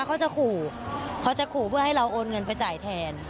เขาจะขู่เขาจะขู่เพื่อให้เราโอนเงินไปจ่ายแทน